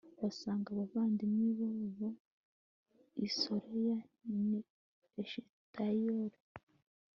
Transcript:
basanga abavandimwe babo i soreya n'i eshitayoli